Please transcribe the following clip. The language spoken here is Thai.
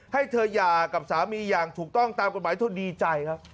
ให้เธอหย่ากับสามีอย่างถูกต้องตามกฎหมายเธอดีใจครับ